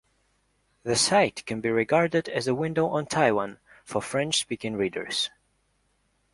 The site can be regarded as a window on Taiwan for French speaking readers.